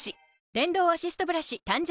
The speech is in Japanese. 電動アシストブラシ誕生